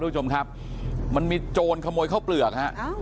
คุณผู้ชมครับมันมีโจรขโมยข้าวเปลือกฮะ